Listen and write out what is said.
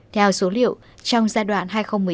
theo số liệu trong giai đoạn hai nghìn một mươi sáu